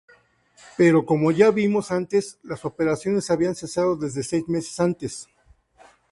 Pero, como ya vimos antes, las operaciones habían cesado desde seis meses antes.